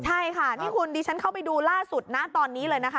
ใช่ค่ะนี่คุณดิฉันเข้าไปดูล่าสุดนะตอนนี้เลยนะคะ